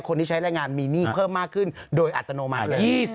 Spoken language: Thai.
คนที่ใช้แรงงานมีหนี้เพิ่มมากขึ้นโดยอัตโนมัติเลย